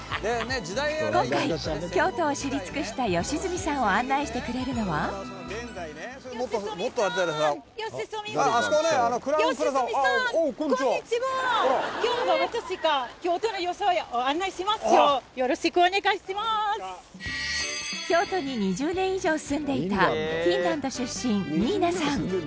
今回京都を知り尽くした良純さんを京都に２０年以上住んでいたフィンランド出身ニーナさん。